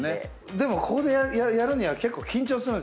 でもここでやるには結構緊張するんですよ。